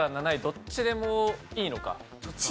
どっちでもいいのか。